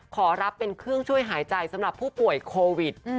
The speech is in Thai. ขอรับเป็นเครื่องช่วยหายใจสำหรับผู้ป่วยโควิด